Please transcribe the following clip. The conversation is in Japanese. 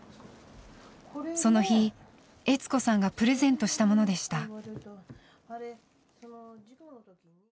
その日悦子さんがプレゼントしたものでした。